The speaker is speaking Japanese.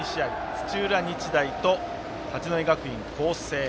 土浦日大と八戸学院光星。